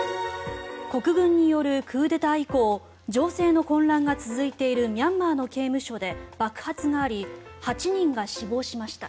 国軍によるクーデター以降情勢の混乱が続いているミャンマーの刑務所で爆発があり８人が死亡しました。